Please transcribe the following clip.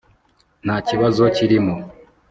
nta kibazo kirimo